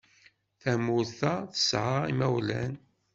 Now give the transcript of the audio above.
Tamurt-a tesɛa imawlan.